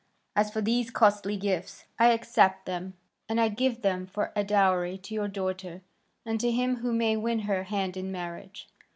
As for these costly gifts," he added, "I accept them, and I give them for a dowry to your daughter, and to him who may win her hand in marriage.